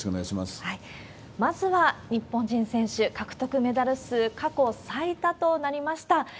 まずは、日本人選手獲得メダル数、過去最多となりました。